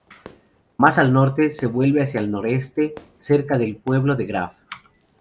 Más al norte, se vuelve hacia el noreste, cerca del pueblo de Grab.